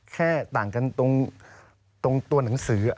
ต่างกันตรงตัวหนังสือ